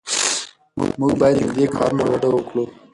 موږ باید له دې کارونو ډډه وکړو.